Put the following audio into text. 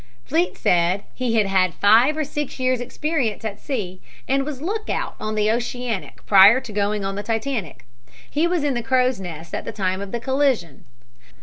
Fleet said he had had five or six years' experience at sea and was lookout on the Oceanic prior to going on the Titanic. He was in the crow's nest at the time of the collision.